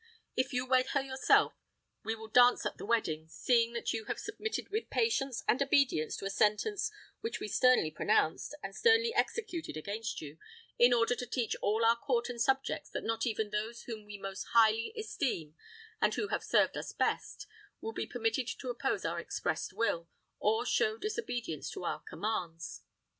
If you wed her yourself, we will dance at the wedding, seeing that you have submitted with patience and obedience to a sentence which we sternly pronounced, and sternly executed against you, in order to teach all our court and subjects that not even those whom we most highly esteem, and who have served us best, will be permitted to oppose our expressed will, or show disobedience to our commands.